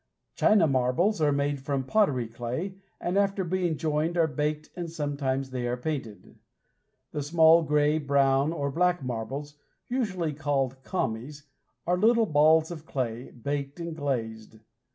China marbles are made from pottery clay, and after being joined are baked, and sometimes they are painted. The small gray, brown or black marbles, usually called "commies," are little balls of clay, baked and glazed.